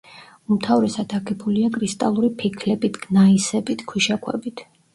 უმთავრესად აგებულია კრისტალური ფიქლებით, გნაისებით, ქვიშაქვებით.